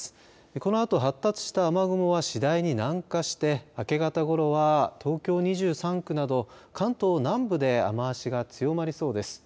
このあと発達した雨雲は次第に南下して明け方ごろは東京２３区など関東南部で雨足が強まりそうです。